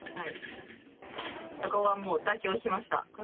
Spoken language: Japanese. そこはもう妥協しました。